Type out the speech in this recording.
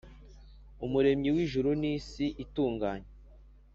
umuremyi w ijuru n isi itunganye